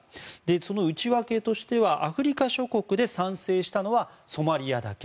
その内訳としてはアフリカ諸国で賛成したのはソマリアだけ。